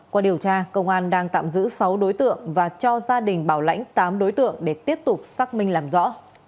qua điều tra công an đang tạm giữ sáu đối tượng và cho gia đình bảo lãnh tám đối tượng để tiếp tục xác minh làm rõ